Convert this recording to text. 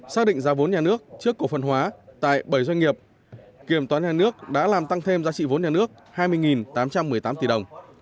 xác định giá vốn nhà nước trước cổ phần hóa tại bảy doanh nghiệp kiểm toán nhà nước đã làm tăng thêm giá trị vốn nhà nước hai mươi tám trăm một mươi tám tỷ đồng